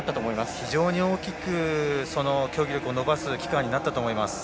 非常に大きく、競技力を伸ばす期間になったと思います。